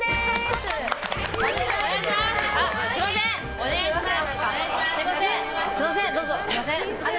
お願いします！